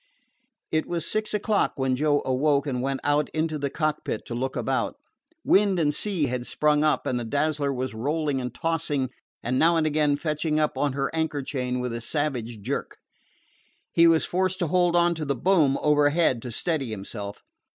It was six o'clock when Joe awoke and went out into the cockpit to look about. Wind and sea had sprung up, and the Dazzler was rolling and tossing and now and again fetching up on her anchor chain with a savage jerk. He was forced to hold on to the boom overhead to steady himself.